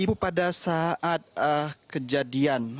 ibu pada saat kejadian